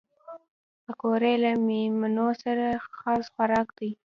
پکورې له مېلمنو سره خاص خوراک دي